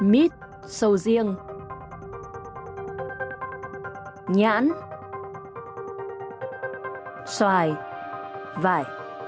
mít sầu riêng nhãn xoài vải